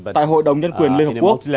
tại hội đồng nhân quyền liên hợp quốc